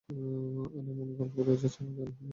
আর এমন গল্প রোজই ছাপায়, কেন জানো?